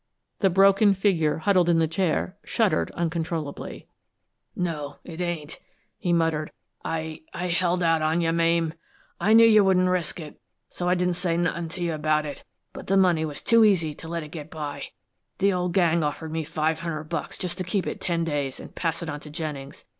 The broken figure huddled in the chair shuddered uncontrollably. "No, it ain't," he muttered. "I I held out on you, Mame! I knew you wouldn't risk it, so I didn't say nothin' to you about it, but the money was too easy to let get by. The old gang offered me five hundred bucks just to keep it ten days, and pass it on to Jennings.